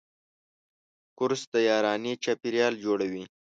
کورس د یارانې چاپېریال جوړوي.